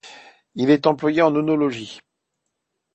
Il est employé en œnologie.